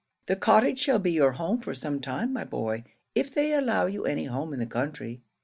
The Cottage shall be your home for some time, my boy, if they allow you any home in the country.